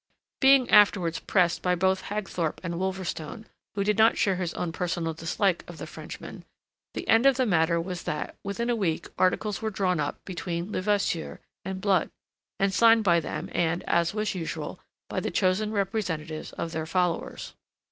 Being afterwards pressed by both Hagthorpe and Wolverstone, who did not share his own personal dislike of the Frenchman, the end of the matter was that within a week articles were drawn up between Levasseur and Blood, and signed by them and as was usual by the chosen representatives of their followers.